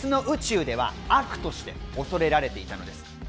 別の宇宙では悪として恐れられていたんです。